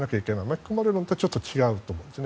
巻き込まれ論とはちょっと違うと思います。